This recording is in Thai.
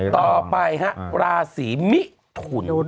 ต่อไปฮะราศีมิถุน